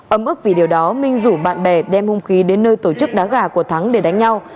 ấm ức vì điều đó minh rủ bạn bè đem hung khí đến nơi tổ chức đá gà của thắng để đánh nhau